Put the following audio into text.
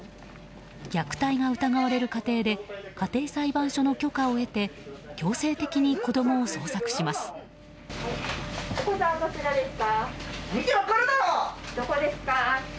虐待が疑われる家庭で家庭裁判所の許可を得て強制的に子供を捜索します。